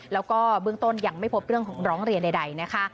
แล้วก็เบื้องต้นยังไม่พบเรื่องของร้องเรียนใดนะคะ